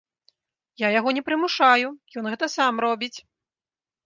Я яго не прымушаю, ён гэта сам робіць.